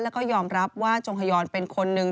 แล้วก็ยอมรับว่าจงฮยอนเป็นคนนึง